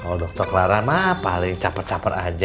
kalo dokter clara mah paling caper caper aja